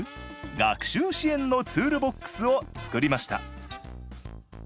学習支援のツールボックス」を作りました。